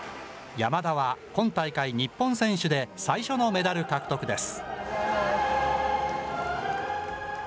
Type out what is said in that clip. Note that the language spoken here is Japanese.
山田は今大会、日本選手で最初のメダル獲得です。